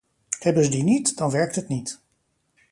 Hebben ze die niet, dan werkt het niet.